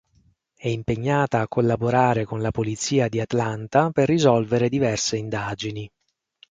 È impegnata a collaborare con la polizia di Atlanta per risolvere diverse indagini.